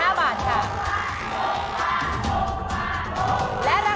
และราคาอยู่ที่